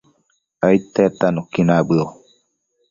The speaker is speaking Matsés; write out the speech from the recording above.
aidtedta nuqui nabëo